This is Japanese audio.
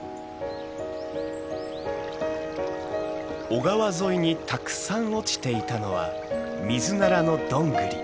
小川沿いにたくさん落ちていたのはミズナラのどんぐり。